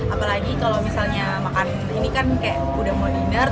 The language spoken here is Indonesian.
apalagi kalau misalnya makan ini kan kayak udah modiner